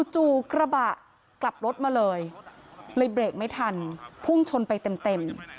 จู่กระบะกลับรถมาเลยเลยเบรกไม่ทันพุ่งชนไปเต็ม